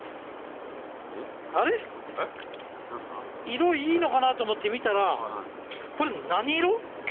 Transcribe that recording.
色いいのかなと思って見たらこれ何色？